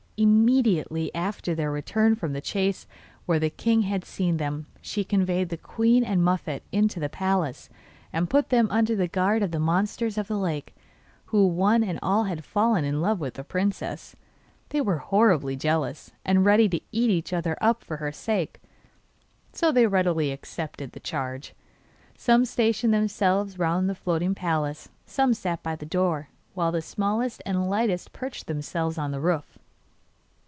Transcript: Immediately after their return from the chase, where the king had seen them, she conveyed the queen and Muffette into the palace, and put them under the guard of the monsters of the lake, who one and all had fallen in love with the princess. They were horribly jealous, and ready to eat each other up for her sake, so they readily accepted the charge. Some stationed themselves round the floating palace, some sat by the door, while the smallest and lightest perched themselves on the roof.